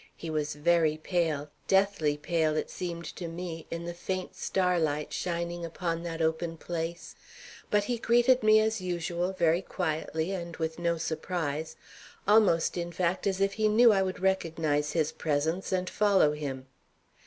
He was very pale, deathly pale, it seemed to me, in the faint starlight shining upon that open place; but he greeted me as usual very quietly and with no surprise, almost, in fact, as if he knew I would recognize his presence and follow him.